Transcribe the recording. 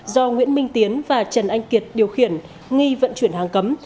do nguyễn minh tiến và trần anh kiệt điều khiển nghi vận chuyển hàng cấm